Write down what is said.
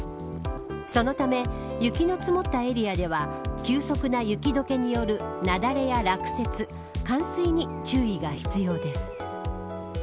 そのため雪の積もったエリアでは急速な雪解けによる雪崩や落雪冠水に注意が必要です。